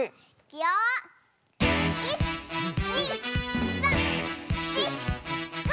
１２３４５！